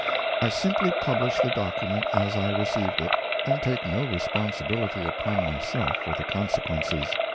I simply publish the document as I received it, and take no responsibility upon myself for the consequences.